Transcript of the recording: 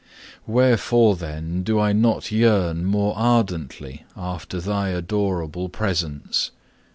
7. Wherefore then do I not yearn more ardently after Thy adorable presence?